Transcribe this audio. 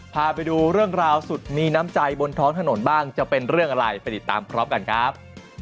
พาไปดูเรื่องราวสุดมีน้ำใจบนท้องถนนบ้างจะเป็นเรื่องอะไรไปติดตามพร้อมกันครับ